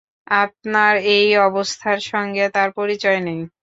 আপনার এই অবস্থার সঙ্গে তাঁর পরিচয় নেই।